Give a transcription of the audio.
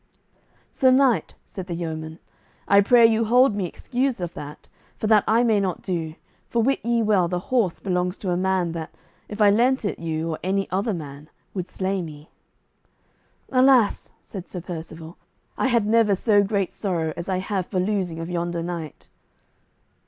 "Sir knight," said the yeoman, "I pray you hold me excused of that, for that I may not do; for wit ye well, the horse belongs to a man that, if I lent it you or any other man, would slay me." "Alas," said Sir Percivale, "I had never so great sorrow as I have for losing of yonder knight."